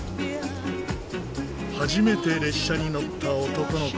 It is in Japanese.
初めて列車に乗った男の子。